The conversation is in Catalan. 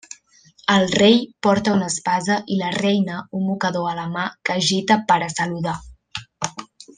El Rei porta una espasa i la Reina un mocador a la mà que agita per a saludar.